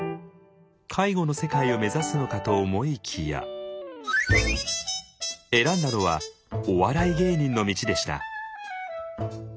介護の世界を目指すのかと思いきや選んだのはお笑い芸人の道でした。